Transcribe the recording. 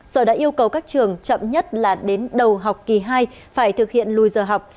sở đã yêu cầu các trường chậm nhất là đến đầu học kỳ hai phải thực hiện lùi giờ học